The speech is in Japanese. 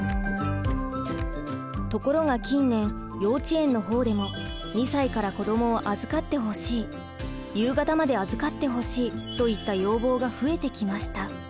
ところが近年幼稚園の方でも２歳から子どもを預かってほしい夕方まで預かってほしいといった要望が増えてきました。